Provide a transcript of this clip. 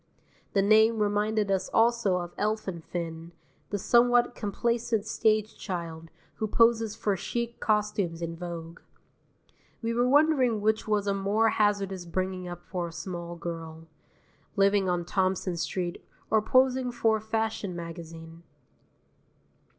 The name reminded us also of Elfin Finn, the somewhat complacent stage child who poses for chic costumes in Vogue. We were wondering which was a more hazardous bringing up for a small girl, living on Thompson Street or posing for a fashion magazine.